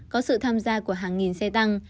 có sự tham gia của hàng nghìn xe tăng